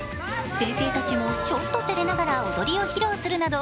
先生たちもちょっと照れながら踊りを披露するなど